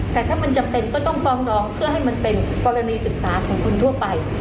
แต่ถ้ามันจำเป็นก็ต้องฟ้องร้องเพื่อให้มันเป็นกรณีศึกษาของคนทั่วไป